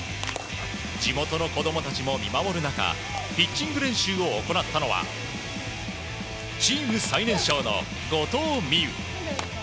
地元の子供たちも見守る中ピッチング練習を行ったのはチーム最年少の後藤希友。